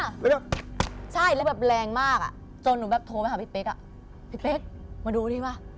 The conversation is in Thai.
ของลับใช่แล้วแบบแรงมากจนหนูโทรไปขอพี่เป๊ะอยากดูดิวะ